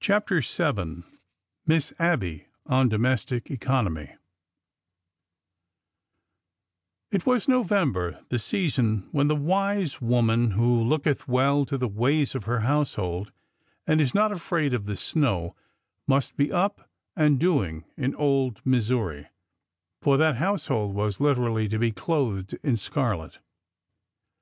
CHAPTER VII MISS ABBY ON DOMESTIC ECONOMY I T was November— the season when the wise woman who looketh well to the ways of her household, and is not afraid of the snow, must be up and doing in old Mis souri, for that household was literally to be clothed in scarlet.